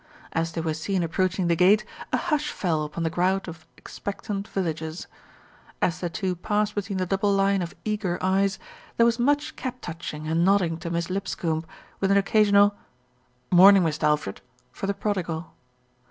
As they were seen approaching the gate, a hush fell upon the crowd of expectant villagers. As the two passed between the double line of eager eyes, there was much cap touching and nodding to Miss Lipscombe, with an occasional "Mornin', Mist' Alfred" for the prodigal.